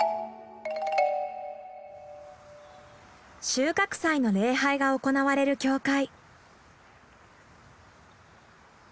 収穫祭の礼拝が行われる教会。